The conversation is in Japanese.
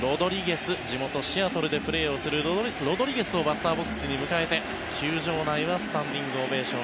地元シアトルでプレーをするロドリゲスをバッターボックスに迎えて球場内はスタンディングオベーション